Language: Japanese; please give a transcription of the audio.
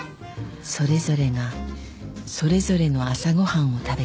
［それぞれがそれぞれの朝ご飯を食べていた］